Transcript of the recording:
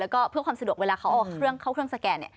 แล้วก็เพื่อความสะดวกเวลาเขาเอาเครื่องสแกน